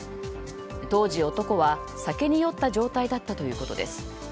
当時、男は酒に酔った状態だったということです。